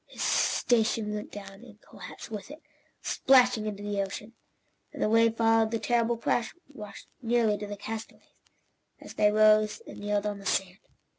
His station went down in collapse with it, splashing into the ocean, and the wave that followed the terrible crash washed nearly to the castaways, as they rose and kneeled on the sand.